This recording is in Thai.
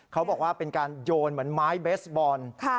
เขาบอกว่าเป็นการโยนเหมือนไม้เบสบอล